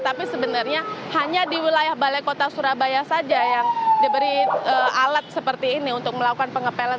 tapi sebenarnya hanya di wilayah balai kota surabaya saja yang diberi alat seperti ini untuk melakukan pengepelan